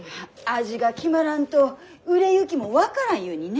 味が決まらんと売れ行きも分からんゆうにね。